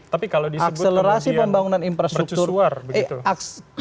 tapi kalau disebut kemudian bercusuar begitu